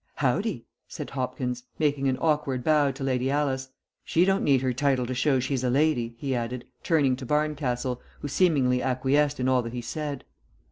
"Howdy," said Hopkins, making an awkward bow to Lady Alice. "She don't need her title to show she's a lady," he added, turning to Barncastle, who seemingly acquiesced in all that he said.